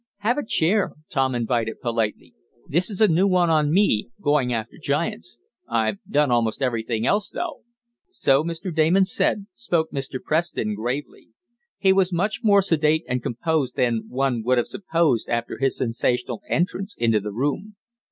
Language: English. "Have a chair," invited Tom politely. "This is a new one on me going after giants. I've done almost everything else, though." "So Mr. Damon said," spoke Mr. Preston gravely. He was much more sedate and composed than one would have supposed after his sensational entrance into the room.